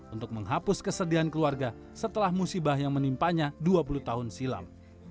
untuk menghapus kesedihan keluarga setelah musibah yang menimpanya dua puluh tahun silam